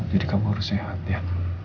kamu harus sehat ya